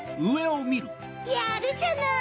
やるじゃない。